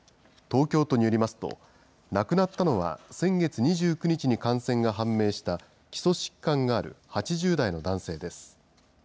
東京都によりますと、亡くなったのは先月２９日に感染が判明した、基礎疾患がある８０代の男性です。